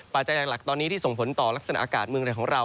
ปัจจัยหลักตอนนี้ที่ส่งผลต่อลักษณะอากาศเมืองไทยของเรา